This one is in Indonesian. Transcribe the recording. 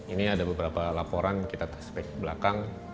ini ada beberapa laporan kita tes back belakang